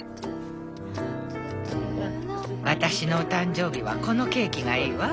私のお誕生日はこのケーキがいいわ。